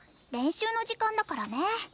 練習の時間だからね。